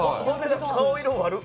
顔色悪っ。